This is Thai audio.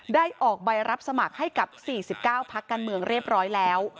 ออกใบรับสมัครให้กับ๔๙พักการเมืองเรียบร้อยแล้ว